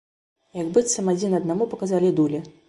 Як быццам адзін аднаму паказалі дулі.